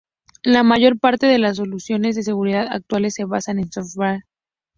La mayor parte de las soluciones de seguridad actuales se basan en software.